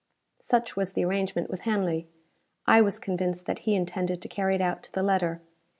Such was the arrangement with Hanley. I was convinced that he intended to carry it out to the letter.